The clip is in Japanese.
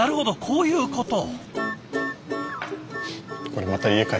こういうこと。